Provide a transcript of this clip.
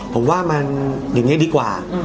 ผมว่ามันอย่างนี้ดีกว่า